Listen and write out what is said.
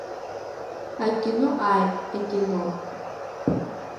Акино ааит, акино!